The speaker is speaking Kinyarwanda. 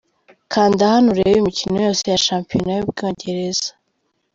Kanda hano urebe imikino yose ya Shampiyona y’u Bwongereza:.